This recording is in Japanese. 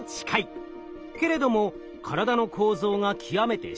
けれども体の構造が極めてシンプル。